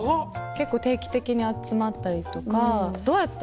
結構定期的に集まったりとか。